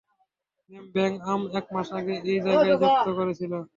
Ma'am, bank, আম, একমাস আগে এই জায়গায় জপ্ত করেছিল।